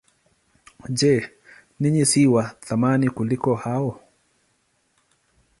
Je, ninyi si wa thamani kuliko hao?